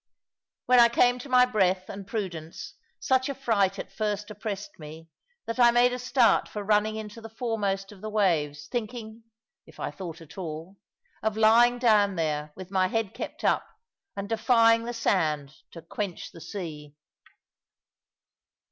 When I came to my breath and prudence, such a fright at first oppressed me, that I made a start for running into the foremost of the waves, thinking (if I thought at all) of lying down there, with my head kept up, and defying the sand to quench the sea.